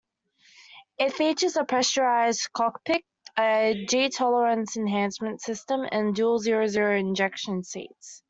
It features a pressurized cockpit, a G-tolerance enhancement system and dual zero-zero ejection seats.